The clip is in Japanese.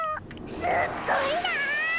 すっごいな！